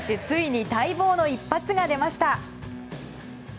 ついに待望の一発が出ました。